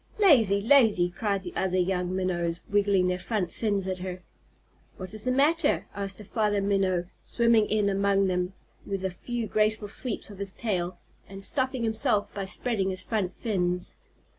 "Lazy! Lazy!" cried the other young Minnows, wiggling their front fins at her. "What is the matter?" asked a Father Minnow, swimming in among them with a few graceful sweeps of his tail, and stopping himself by spreading his front fins.